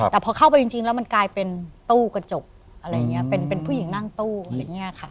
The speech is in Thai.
แต่พอเข้าไปจริงแล้วมันกลายเป็นตู้กระจกอะไรอย่างนี้เป็นผู้หญิงนั่งตู้อะไรอย่างนี้ค่ะ